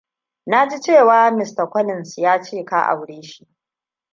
Na ji cewa Mr. Collins ya ce ka aure shi.